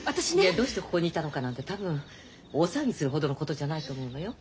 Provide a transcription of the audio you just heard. どうしてここにいたのかなんて多分大騒ぎするほどのことじゃないと思うのよ。